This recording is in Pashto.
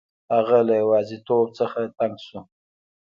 هغه له یوازیتوب څخه تنګ شو.